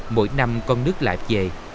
mỗi năm con nước lại về